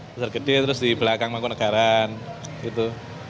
besar gede terus di belakang mangkunagaran gitu